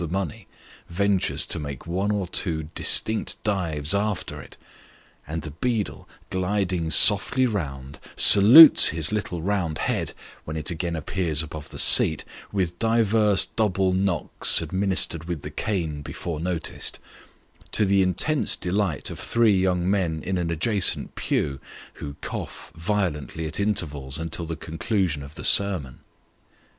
3 the money ventures to make one or two distinct dives after it ; and the beadle, gliding softly round, salutes his little round head, when it again appears above the seat, with divers double knocks, administered with the cane before noticed, to the intense delight of three young men in an adjacent pew, who cough violently at intervals until the conclusion of the sermon.